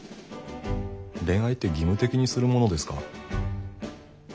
恋愛って義務的にするものですか？